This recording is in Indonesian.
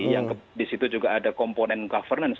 yang disitu juga ada komponen governance